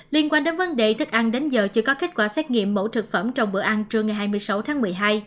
liên quan đến vấn đề thức ăn đến giờ chưa có kết quả xét nghiệm mẫu thực phẩm trong bữa ăn trưa ngày hai mươi sáu tháng một mươi hai